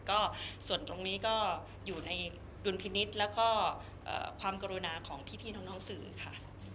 ก็ส่วนตรงนี้ก็อยู่ในดุลพินิษฐ์แล้วก็ความกรุณาของพี่น้องสื่อค่ะ